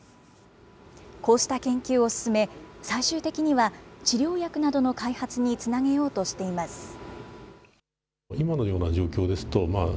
こうした研究を進め、最終的には治療薬などの開発につなげようとしています。